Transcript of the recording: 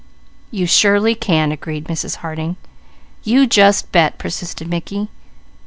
"You surely can," agreed Mrs. Harding. "You just bet," persisted Mickey.